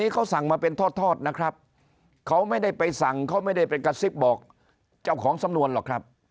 เขาสั่งมาเป็นทอดนะครับเขาไม่ได้ไปสั่งเขาไม่ได้ไปกระซิบบอกเจ้าของสำนวนหรอกครับ